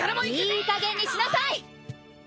いいかげんにしなさい。